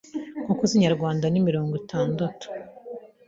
inkoko z’inyarwanda ni mirongo itandatu